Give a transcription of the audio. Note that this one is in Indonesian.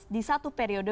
di satu periode